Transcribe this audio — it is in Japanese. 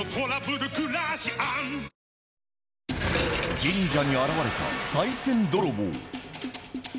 神社に現れたさい銭泥棒。